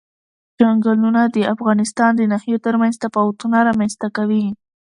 چنګلونه د افغانستان د ناحیو ترمنځ تفاوتونه رامنځ ته کوي.